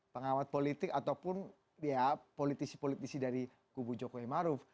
pengawat politik ataupun ya politisi politisi dari kubu jokowi maruf